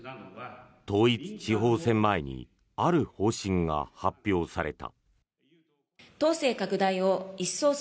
統一地方選前にある方針が発表された。